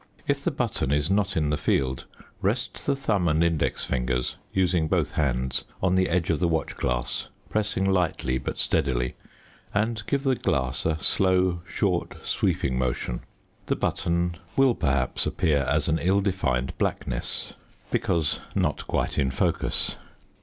If the button is not in the field, rest the thumbs and index fingers, using both hands, on the edge of the watch glass, pressing lightly but steadily, and give the glass a slow, short, sweeping motion; the button will perhaps appear as an ill defined blackness, because not quite in focus.